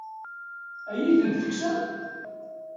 Ad iyi-tent-tekksem?